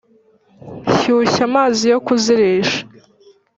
Shyushya amazi yo kuzirisha